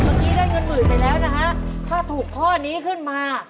เมื่อกี้ได้เงินหมื่นไปแล้วนะฮะถ้าถูกข้อนี้ขึ้นมา